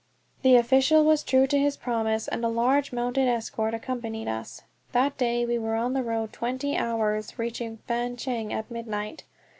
The official was true to his promise, and a large mounted escort accompanied us. That day we were on the road twenty hours, reaching Fan Cheng at midnight.